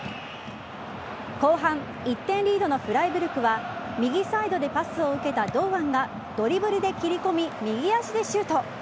後半１点リードのフライブルクは右サイドでパスを受けた堂安がドリブルで切り込み右足でシュート。